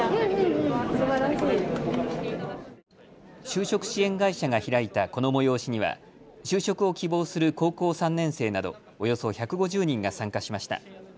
就職支援会社が開いたこの催しには就職を希望する高校３年生などおよそ１５０人が参加しました。